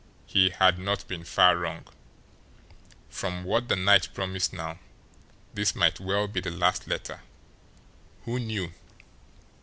He had not been far wrong. From what the night promised now, this might well be the last letter. Who knew?